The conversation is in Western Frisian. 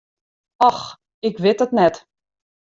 Och, ik wit it net.